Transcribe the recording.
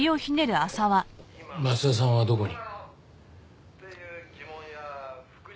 松田さんはどこに？